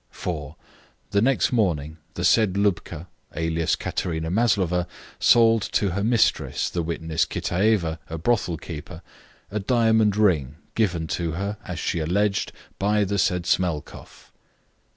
4. The next morning the said Lubka (alias Katerina Maslova) sold to her mistress, the witness Kitaeva, a brothel keeper, a diamond ring given to her, as she alleged, by the said Smelkoff.